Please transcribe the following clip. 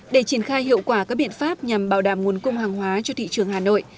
để triển khai hiệu quả các biện pháp nhằm bảo đảm nguồn cung hàng hóa cho thị trường hà nội